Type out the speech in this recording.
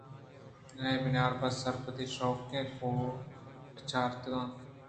آئیءَ بناربس ءِ سربری شوقیں کوٹ چاریتگ اَت